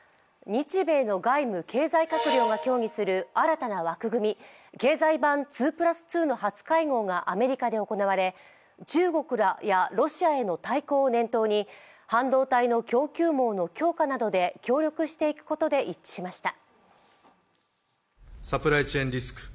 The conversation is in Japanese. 日米の外務・経済閣僚が協議する新たな枠組み、経済版２＋２の初会合がアメリカで行われ中国やロシアへの対抗を念頭に半導体の供給網の強化などで協力していくことで一致しました。